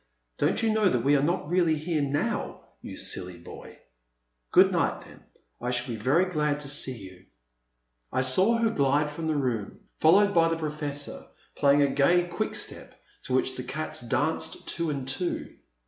Don't you know that we are not really here now, you silly boy ? Good night then. I shall be very glad to see you." The Man at the Next Table. 395 I saw her glide from the room, followed by the Professor, playing a gay quick step, to which the cats danced two and two.